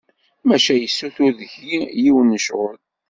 Maca yessuter deg-i yiwen n ccɣel!